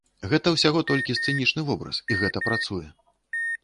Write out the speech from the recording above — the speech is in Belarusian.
Гэта ўсяго толькі сцэнічны вобраз і гэта працуе!